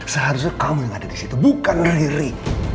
seharusnya kamu yang ada di situ bukan lirik